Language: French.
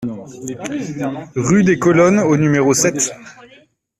Rue des Colonnes au numéro sept